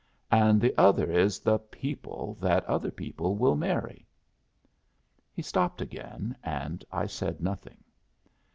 "And the other is the people that other people will marry." He stopped again; and I said nothing.